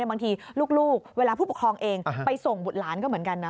บางทีลูกเวลาผู้ปกครองเองไปส่งบุตรหลานก็เหมือนกันนะ